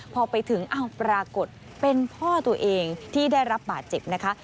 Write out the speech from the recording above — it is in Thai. พอไปถึงอ้าวปรากฏเป็นพ่อตัวเองที่ได้รับบาดเจ็บนะคะ